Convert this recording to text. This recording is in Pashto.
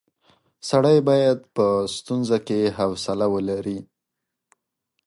سړی باید په ستونزو کې حوصله ولري.